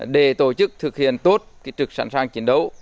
để tổ chức thực hiện tốt trực sẵn sàng chiến đấu